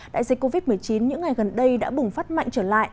đại dịch covid một mươi chín những ngày gần đây đã bùng phát mạnh trở lại